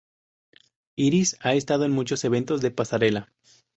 Iris ha estado en muchos eventos de pasarela.